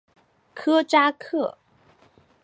科扎克。